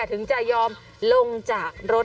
ถึงจะยอมลงจากรถ